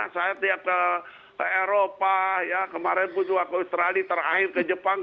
saya tiap ke eropa kemarin pun juga ke australia terakhir ke jepang